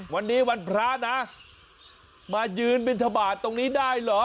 วันนี้วันพระนะมายืนบินทบาทตรงนี้ได้เหรอ